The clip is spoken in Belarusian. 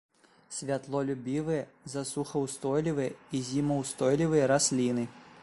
Святлолюбівыя, засухаўстойлівыя і зімаўстойлівыя расліны.